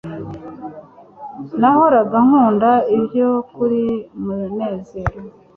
nahoraga nkunda ibyo kuri munezero